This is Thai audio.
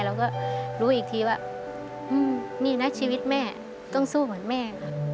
เราก็รู้อีกทีว่านี่นะชีวิตแม่ต้องสู้เหมือนแม่ค่ะ